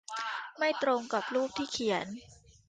ไม่ตรงกับรูปที่เขียน